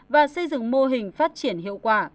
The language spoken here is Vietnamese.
và xây dựng mô hình phát triển hiệu quả